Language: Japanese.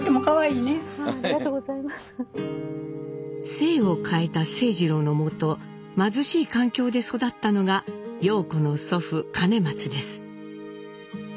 姓を変えた清二郎のもと貧しい環境で育ったのが陽子の祖父兼松です。